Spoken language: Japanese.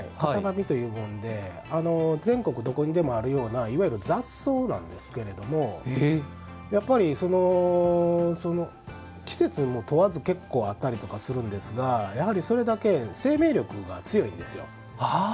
全国どこにでもあるようないわゆる雑草なんですけどもやっぱり、季節を問わずあったりするんですがやはり、それだけ生命力が強いんですよ。